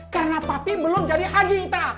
karena papi belum jadi haji ita